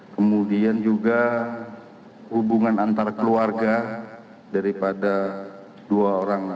kemudian juga hubungan antar keluarga daripada dua orang